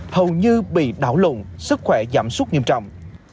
hầu như bị đảo lụng sức khỏe giảm súc nghiêm trọng